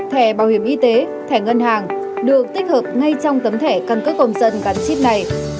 thẻ bảo hiểm y tế thẻ ngân hàng được tích hợp ngay trong tấm thẻ căn cước công dân gắn chip này